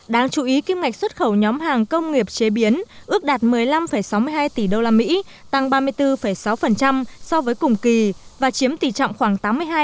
đáng chú ý kim ngạch xuất khẩu nhóm hàng công nghiệp chế biến ước đạt một mươi năm sáu mươi hai tỷ usd tăng ba mươi bốn sáu so với cùng kỳ và chiếm tỷ trọng khoảng tám mươi hai